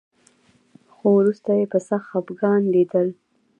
خو وروسته یې په سخت خپګان لیدل